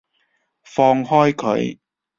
放開佢！